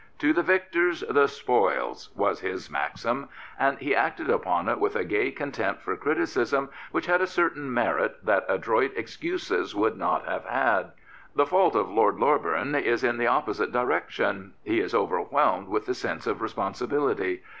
" To the victors the spoils " was his maxim, and he acted upon it with a gay contempt for criticism which had a certain merit that adroit excuses would not have had. Prophets, Priests, and Kings The fault of Lord Loreburn is in the opposite direction. He is overwhelmed with the sense of responsibility.